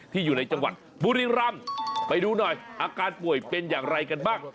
อยู่ในจังหวัดบุรีรำไปดูหน่อยอาการป่วยเป็นอย่างไรกันบ้าง